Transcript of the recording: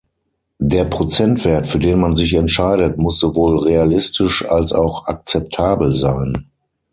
Der Prozentwert, für den man sich entscheidet, muss sowohl realistisch als auch akzeptabel sein.